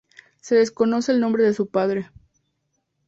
Se desconoce el nombre de su padre.